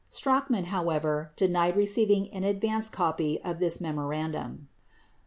93 Strachan, however, denied receiving an advance copy of this memo randum.